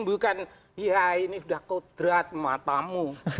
bukan ya ini sudah kau drat matamu